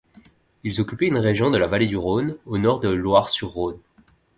Ils occupaient une région de la vallée du Rhône, au nord de Loire-sur-Rhône.